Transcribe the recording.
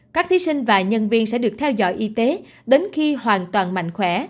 các thí sinh và nhân viên sẽ được theo dõi y tế đến khi hoàn toàn mạnh khỏe